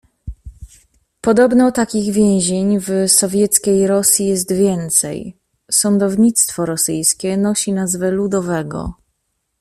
"Podobno takich więzień w Sowieckiej Rosji jest więcej... Sądownictwo rosyjskie nosi nazwę ludowego."